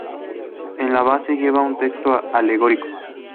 En la base lleva un texto alegórico.